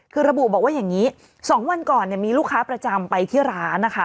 คือระบุบอกว่าอย่างนี้๒วันก่อนมีลูกค้าประจำไปที่ร้านนะคะ